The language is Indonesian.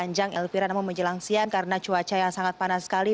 panjang elvira namun menjelang siang karena cuaca yang sangat panas sekali